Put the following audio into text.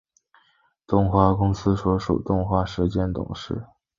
动画公司所属动画师兼董事。